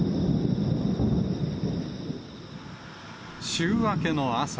週明けの朝。